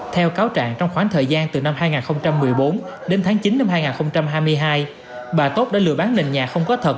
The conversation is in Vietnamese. theo cáo trạng trong khoảng thời gian từ năm hai nghìn một mươi bốn đến tháng chín năm hai nghìn hai mươi hai bà tốt đã lừa bán nền nhà không có thật